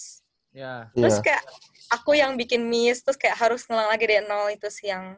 terus kayak aku yang bikin miss terus kayak harus ngelang lagi deh itu siang